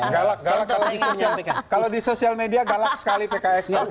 galak galak kalau di sosial media galak sekali pks